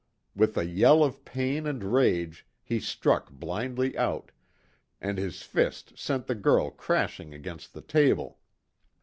With a yell of pain and rage he struck blindly out, and his fist sent the girl crashing against the table.